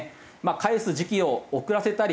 返す時期を遅らせたり。